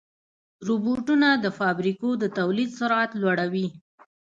روبوټونه د فابریکو د تولید سرعت لوړوي.